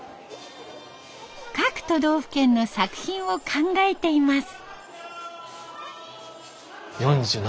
各都道府県の作品を考えています。